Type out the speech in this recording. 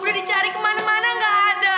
udah dicari kemana mana gak ada